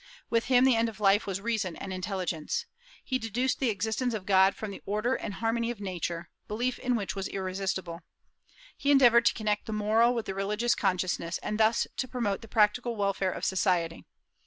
With him the end of life was reason and intelligence. He deduced the existence of God from the order and harmony of Nature, belief in which was irresistible. He endeavored to connect the moral with the religious consciousness, and thus to promote the practical welfare of society.